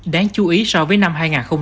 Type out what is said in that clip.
đáng chú ý so với năm hai nghìn hai mươi hai